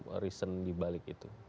apa yang melatar belakang itu